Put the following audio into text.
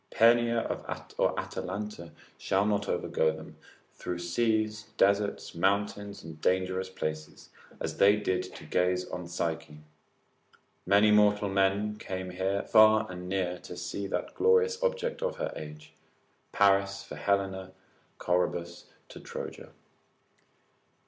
Penia or Atalanta shall not overgo them, through seas, deserts, mountains, and dangerous places, as they did to gaze on Psyche: many mortal men came far and near to see that glorious object of her age, Paris for Helena, Corebus to Troja.